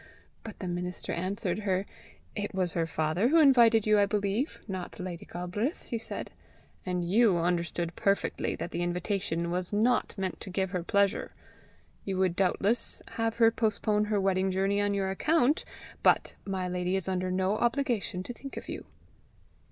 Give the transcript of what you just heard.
But the minister answered her. "It was her father who invited you, I believe, not Lady Galbraith," he said; "and you understood perfectly that the invitation was not meant to give her pleasure. You would doubtless have her postpone her wedding journey on your account, but my lady is under no obligation to think of you."